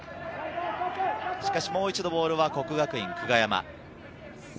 しかし、もう一度、ボールは國學院久我山。